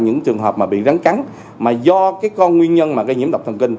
những trường hợp bị rắn cắn mà do con nguyên nhân gây nhiễm độc thần kinh